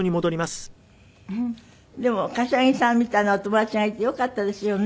でも柏木さんみたいなお友達がいてよかったですよね。